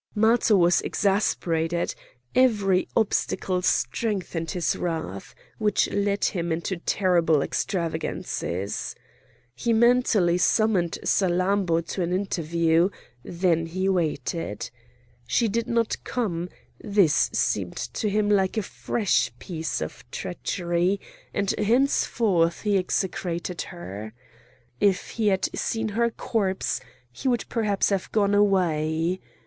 Matho was exasperated; every obstacle strengthened his wrath, which led him into terrible extravagances. He mentally summoned Salammbô to an interview; then he waited. She did not come; this seemed to him like a fresh piece of treachery,—and henceforth he execrated her. If he had seen her corpse he would perhaps have gone away.